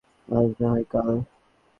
আজ না হয় কাল।